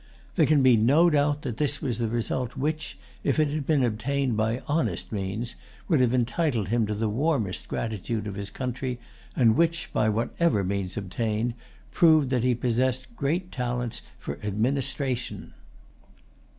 There can be no doubt that this was a result which, if it had been obtained by honest means, would have entitled him to the warmest gratitude of his country, and which, by whatever means obtained, proved that he possessed great talents for administration.